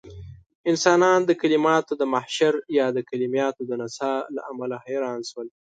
انسانان د کليماتو د محشر يا د کليماتو د نڅاه له امله حيران شول.